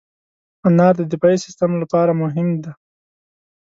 انار د دفاعي سیستم لپاره مهم دی.